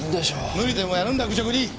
無理でもやるんだ愚直に！